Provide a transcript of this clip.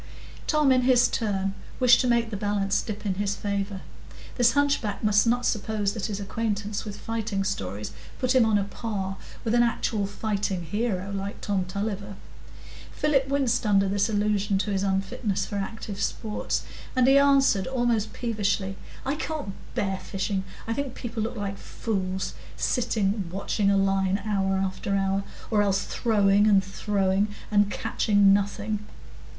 Tom, in his turn, wished to make the balance dip in his favour. This hunchback must not suppose that his acquaintance with fighting stories put him on a par with an actual fighting hero, like Tom Tulliver. Philip winced under this allusion to his unfitness for active sports, and he answered almost peevishly,— "I can't bear fishing. I think people look like fools sitting watching a line hour after hour, or else throwing and throwing, and catching nothing."